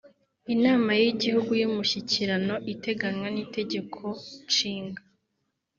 Inama y’igihugu y’Umushyikirano iteganywa n’Itegeko Nshinga